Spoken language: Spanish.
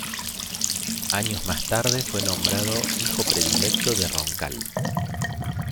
Años más tarde fue nombrado "Hijo predilecto de Roncal".